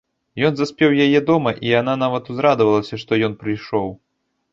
Ён заспеў яе дома, і яна нават узрадавалася, што ён прыйшоў.